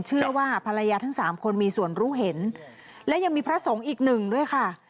เชื่อว่าภรรยาทั้งสามคนมีส่วนรู้เห็นและยังมีพระสงฆ์อีกหนึ่งด้วยค่ะ